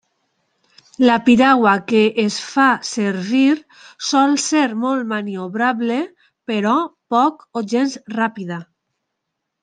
La piragua que es fa servir sol ser molt maniobrable però poc o gens ràpida.